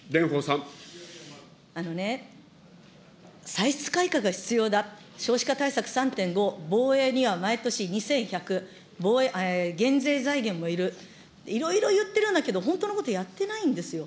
あのね、歳出改革が必要だ、少子化対策３．５、防衛には毎年２１００、減税財源もいる、いろいろ言ってるんだけど、本当のことやってないんですよ。